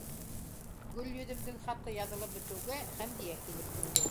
Гөлйөҙөмдөң хаты яҙылып бөтөүгә, Хәмдиә килеп инде.